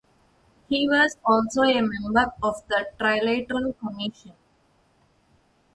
He was also a member of the Trilateral Commission.